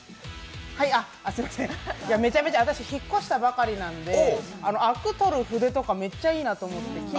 めちゃめちゃあたし引っ越したばかりなんであくとる筆とかめっちゃいいなと思って。